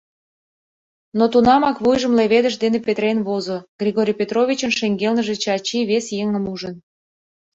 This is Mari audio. Но тунамак вуйжым леведыш дене петырен возо: Григорий Петровичын шеҥгелныже Чачи вес еҥым ужын.